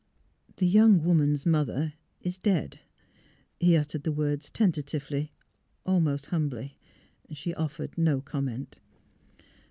" The young woman's mother is dead." He uttered the words tentatively — almost humbly. She offered no comment.